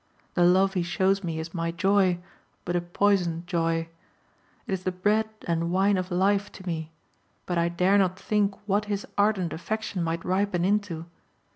The love he shows me is my joy, but a poisoned joy. It is the bread and wine of life to me; but I dare not think what his ardent affection might ripen into.